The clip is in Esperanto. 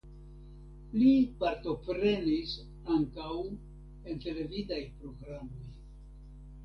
Li partoprenis ankaŭ en televidaj programoj.